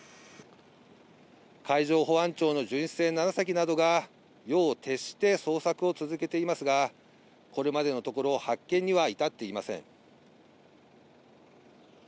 海上保安庁の巡視船７隻などが、夜を徹して捜索を続けていますが、これまでのところ、発見には至っていません。